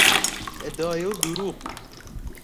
ادعای او دروغ بود.